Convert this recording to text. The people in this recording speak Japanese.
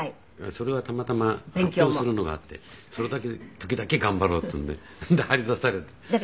それはたまたま発表するのがあってその時だけ頑張ろうっていうんでそれで貼り出されて。